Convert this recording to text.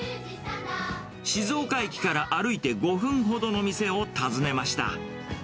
静岡駅から歩いて５分ほどの店を訪ねました。